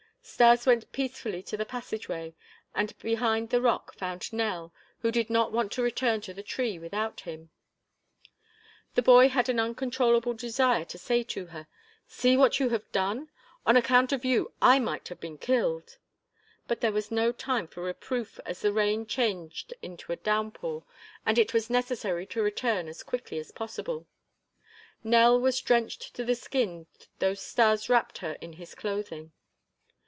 Stas went peacefully to the passageway and behind the rock found Nell, who did not want to return to the tree without him. The boy had an uncontrollable desire to say to her: "See what you have done! On account of you I might have been killed." But there was no time for reproof as the rain changed into a downpour and it was necessary to return as quickly as possible. Nell was drenched to the skin though Stas wrapped her in his clothing.